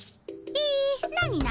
え何何？